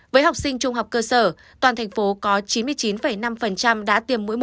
với học sinh trung học cơ sở toàn tp có chín mươi chín năm đã tiêm mũi một